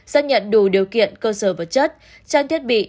xác nhận đủ điều kiện cơ sở vật chất trang thiết bị